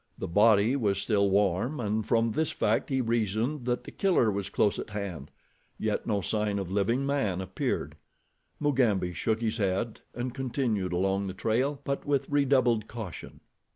The body was still warm, and from this fact he reasoned that the killer was close at hand, yet no sign of living man appeared. Mugambi shook his head, and continued along the trail, but with redoubled caution.